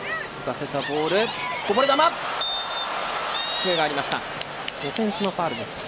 笛が鳴りました。